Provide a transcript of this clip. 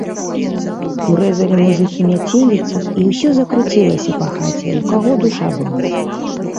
Урэзалі музыкі мяцеліцу, і ўсё закруцілася па хаце, у каго душа была.